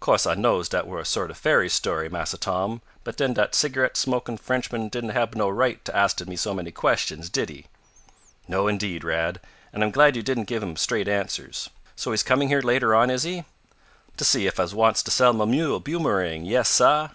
Course I knows dat were a sort of fairy story, Massa Tom, but den dat cigarette smokin' Frenchman didn't hab no right t' asted me so many questions, did he?" "No, indeed, Rad. And I'm glad you didn't give him straight answers. So he's coming here later on, is he?" "T' see ef I wants t' sell mah mule, Boomerang, yais, sah.